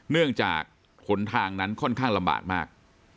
เนื่องจากหนทางนั้นค่อนข้างลำบากมาก